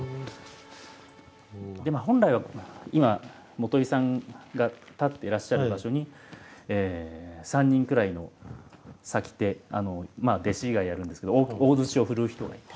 でも本来は今元井さんが立っていらっしゃる場所に３人くらいの先手弟子がやるんですけど大槌をふるう人がいて。